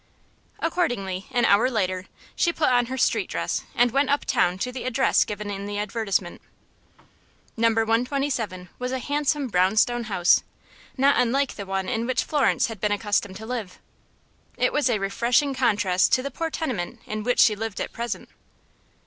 Accordingly, an hour later, she put on her street dress and went uptown to the address given in the advertisement. No. 127 was a handsome brown stone house, not unlike the one in which Florence had been accustomed to live. It was a refreshing contrast to the poor tenement in which she lived at present.